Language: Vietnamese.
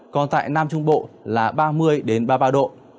còn tại nam trung bộ là ba mươi ba mươi ba độ